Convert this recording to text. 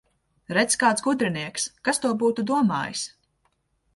Redz, kāds gudrinieks! Kas to būtu domājis!